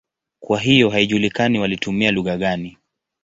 Kwa hiyo haijulikani walitumia lugha gani.